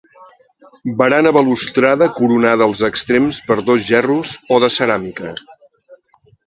Barana balustrada coronada als extrems per dos gerros o de ceràmica.